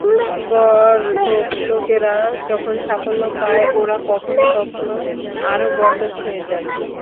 গর্দভ লোকেরা যখন সাফল্য পায়, ওরা কখনো কখনো আরও গর্দভ হয়ে যায়।